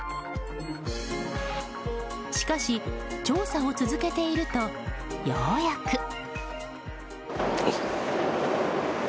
しかし、調査を続けているとようやく。